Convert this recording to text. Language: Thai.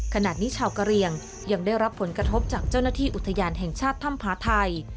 ขณะนี้ชาวกะเรียงยังได้รับผลกระทบจากเจ้าหน้าที่อุทยานแห่งชาติถ้ำผาไทย